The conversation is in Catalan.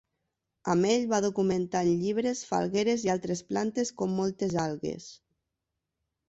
Amb ell va documentar en llibres falgueres i altres plantes com moltes algues.